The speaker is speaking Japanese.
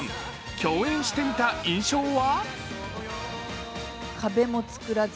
共演してみた印象は？